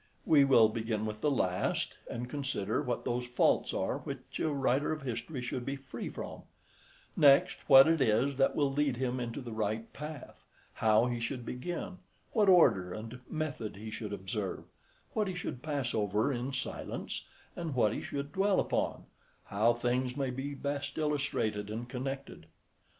We will begin with the last, and consider what those faults are which a writer of history should be free from; next, what it is that will lead him into the right path, how he should begin, what order and method he should observe, what he should pass over in silence, and what he should dwell upon, how things may be best illustrated and connected.